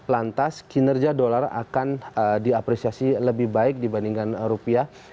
lantas kinerja dolar akan diapresiasi lebih baik dibandingkan rupiah